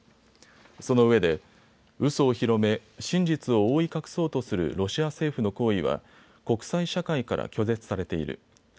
そのうえでうそを広め真実を覆い隠そうとするロシア政府の行為は国際社会から拒絶されている。